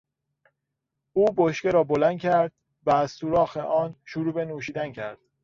او بشکه را بلند کرد و از سوراخ آن شروع به نوشیدن کرد.